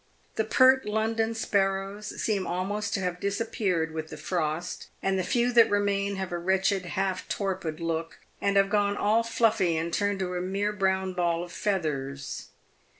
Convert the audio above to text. The pert London sparrows seem almost to have disappeared with the frost, and the few that remain have a wretched half torpid look, and have gone all fluffy and turned to a mere brown ball of feathers.